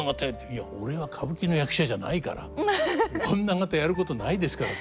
「いや俺は歌舞伎の役者じゃないから女方やることないですから」。